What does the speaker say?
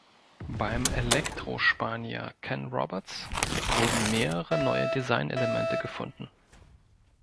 Beim Elektro-Spanier Ken Roberts wurden mehrere neue Designelemente gefunden.